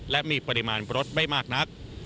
และมีปริมาณรถไม่มากนัก